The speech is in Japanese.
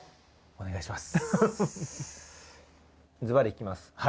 お願いします。